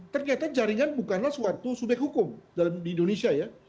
ternyata jaringan bukanlah suatu subyek hukum di indonesia ya